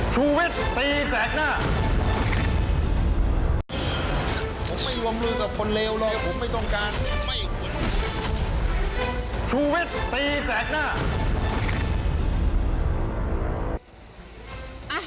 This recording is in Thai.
ชูเว็ดตีแสดหน้า